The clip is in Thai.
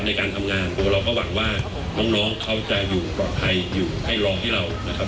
ในการทำงานตัวเราก็หวังว่าน้องเขาจะอยู่ปลอดภัยอยู่ให้รอให้เรานะครับ